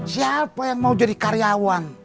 siapa yang mau jadi karyawan